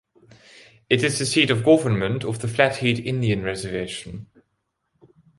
It is the seat of government of the Flathead Indian Reservation.